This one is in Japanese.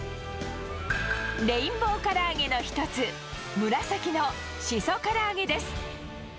レインボーから揚げの一つ、紫のシソから揚げです。